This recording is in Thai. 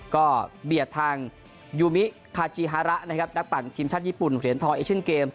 ก็เบียดทางยูมิคาจิฮาระนักปั่นทีมชาติญี่ปุ่นเหรียญทอร์เอชั่นเกมส์